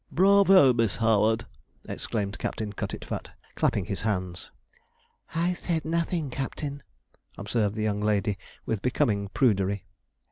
'Bravo, Miss Howard!' exclaimed Captain Cutitfat, clapping his hands. 'I said nothing, Captain,' observed the young lady with becoming prudery.